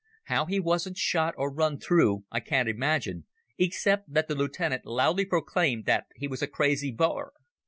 How he wasn't shot or run through I can't imagine, except that the lieutenant loudly proclaimed that he was a crazy Boer.